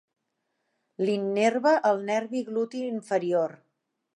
L'innerva el nervi gluti inferior.